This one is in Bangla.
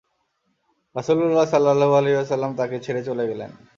রাসূলুল্লাহ সাল্লাল্লাহু আলাইহি ওয়াসাল্লাম তাকে ছেড়ে চলে গেলেন।